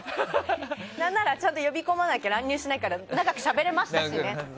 何ならちゃんと呼び込まなきゃ乱入しないから長くしゃべれましたしね。